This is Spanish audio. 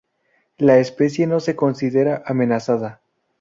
La especie no se considera amenazada.